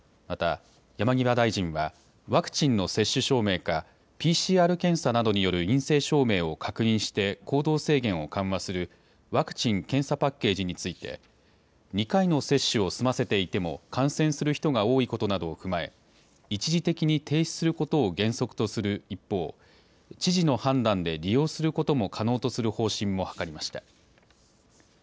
また、山際大臣はワクチンの接種証明かＰＣＲ検査などによる陰性証明を確認して行動制限を緩和するワクチン・検査パッケージについて２回の接種を済ませていても感染する人が多いことなどを踏まえ一時的に停止することを原則とする一方、知事の判断で利用することも可能とする方針も諮りました。